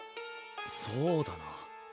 そうだな。